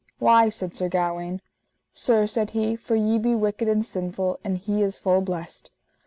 Why? said Sir Gawaine. Sir, said he, for ye be wicked and sinful, and he is full blessed.